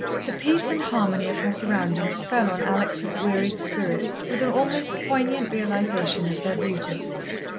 The peace and harmony of her surroundings fell on Alex' wearied spirit with an almost poignant realization of their beauty.